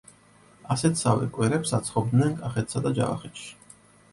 ასეთსავე კვერებს აცხობდნენ კახეთსა და ჯავახეთში.